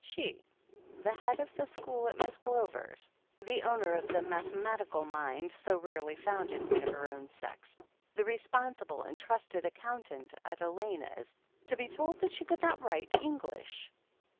She, the Head of the School at Miss Glover's, the owner of the "mathematical mind" so rarely found in one of her own sex, the responsible and trusted ac countant at Elena's, to be told that she could not write English